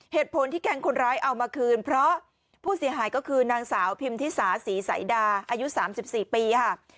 เหตุผลที่แก๊งคนร้ายเอามาคืนเพราะผู้เสียหายก็คือนางสาวพิมทิสาศรีสายดาอายุ๓๔ปีค่ะ